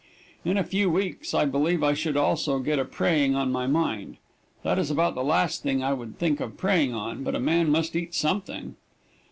In a few weeks I believe I should also get a preying on my mind. That is about the last thing I would think of preying on, but a man must eat something.